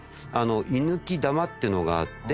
「いぬきだま」っていうのがあって。